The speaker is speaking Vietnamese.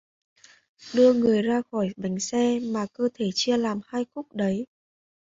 đưa người ra khỏi bánh xe mà cơ thể chia làm hai khúc đấy